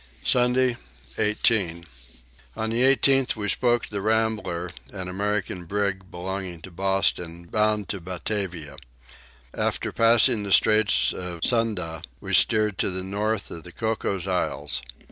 Sunday 18. On the 18th we spoke the Rambler, an American brig belonging to Boston, bound to Batavia. After passing the Straits of Sunda we steered to the north of the Cocos Isles.